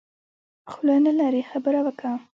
خوله نلرې خبره وکه.